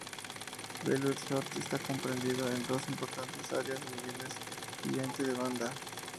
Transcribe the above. BellSouth está comprendido en dos importantes áreas, wireless y Ancho de banda.